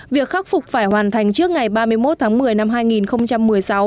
việc khắc phục phải hoàn thành trước ngày ba mươi một tháng một mươi năm hai nghìn một mươi sáu